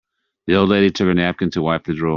The old lady took her napkin to wipe the drool.